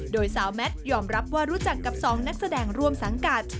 โดยสาวแมทยอมรับว่ารู้จักกับ๒นักแสดงร่วมสังกัด